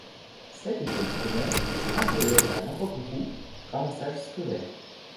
Sept écoles primaires, un collège à Laroquebrou, ramassage scolaire.